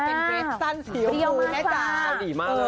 เป็นเกรษตั้นสียำพูนะจ๊ะ